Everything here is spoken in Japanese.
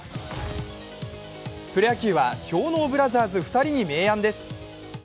プロ野球は氷のうブラザーズ２人に明暗です。